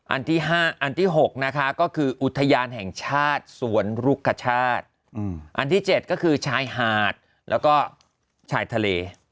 อันที่๖นะคะก็คืออุทยานแห่งชาติสวนรุกชาติอันที่๗ก็คือชายหาดแล้วก็ชายทะเล